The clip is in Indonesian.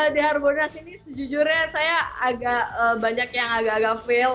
di harbolnas ini sejujurnya saya agak banyak yang agak agak fail